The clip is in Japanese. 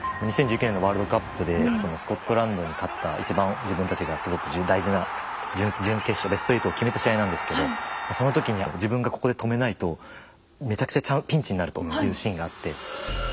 ２０１９年のワールドカップでスコットランドに勝った一番自分たちがすごく大事な準決勝ベスト８を決めた試合なんですけどその時に自分がここで止めないとめちゃくちゃピンチになるというシーンがあって。